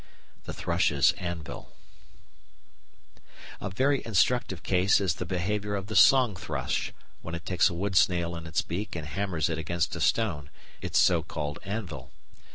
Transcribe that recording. The Thrush's Anvil A very instructive case is the behaviour of the song thrush when it takes a wood snail in its beak and hammers it against a stone, its so called anvil.